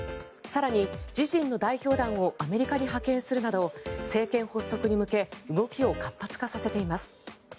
更に自身の代表団をアメリカに派遣するなど政権発足に向け動きを活発化させています。